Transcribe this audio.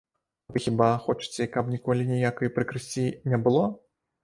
А вы хіба хочаце, каб ніколі ніякай прыкрасці не было?